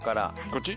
こっち？